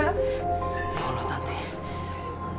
ya allah tanti